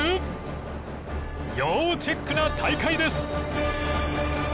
要チェックな大会です！